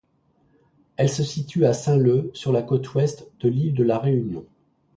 Elle se situe à Saint-Leu, sur la côte Ouest de l'île de la Réunion.